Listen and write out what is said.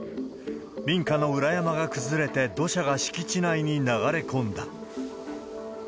民家の裏山が崩れて、土砂が敷地内に流れ込んだ。